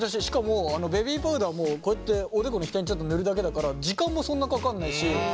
しかもベビーパウダーもこうやっておでこの額にちょっと塗るだけだから時間もそんなかかんないし。